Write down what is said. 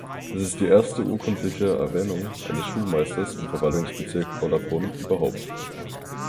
Es ist die erste urkundliche Erwähnung eines Schulmeisters im Verwaltungsbezirk Hollabrunn überhaupt.